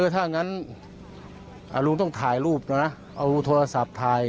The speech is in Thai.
ถ้างั้นลุงต้องถ่ายรูปนะเอาโทรศัพท์ถ่าย